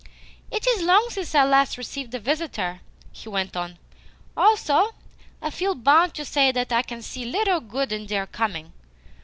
"It is long since I last received a visitor," he went on. "Also, I feel bound to say that I can see little good in their coming.